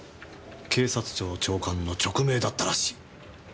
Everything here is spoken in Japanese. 警察庁長官の勅命だったらしい。